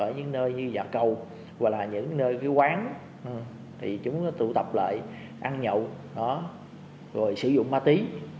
như giả cầu và những nơi quán chúng tụ tập lại ăn nhậu sử dụng ma tí